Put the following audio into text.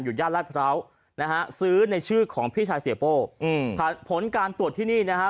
อยู่ที่ย่านราชภร้าวนะฮะซื้อในชื่อของพี่ชายเซโฟผลการตรวจที่นี่นะฮะ